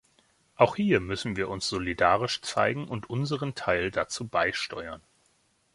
Auch hier müssen wir uns solidarisch zeigen und unseren Teil dazu beisteuern.